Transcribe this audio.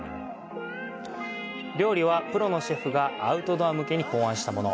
料理は、プロのシェフがアウトドア向けに考案したもの。